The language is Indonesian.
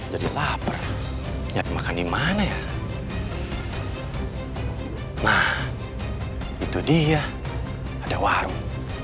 jadi lapar nyari makan di mana ya nah itu dia ada warung